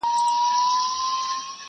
بېله ځنډه به دې یوسي تر خپل کلي.!